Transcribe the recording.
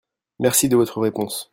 merci de votre réponse.